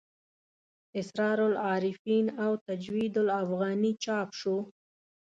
اسرار العارفین او تجوید الافغاني چاپ شو.